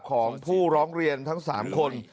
ของผู้ร้องเรียนทั้ง๓คน